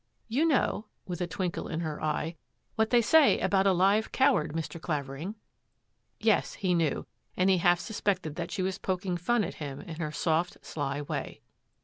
You know," with a twinkle in her eye, " what they say about a live coward, Mr. Clavering." Yes, he knew, and he half suspected that she was poking fun at him in her soft, sly way.